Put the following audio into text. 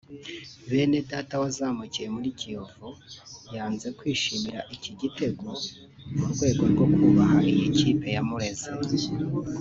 Benedata wazamukiye muri Kiyovu yanze kwishimira iki gitego mu rwego rwo kubaha iyi kipe yamureze